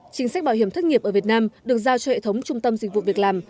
chính sách bảo hiểm thất nghiệp ở việt nam được giao cho hệ thống trung tâm dịch vụ việc làm